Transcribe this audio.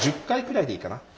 １０回くらいでいいかな。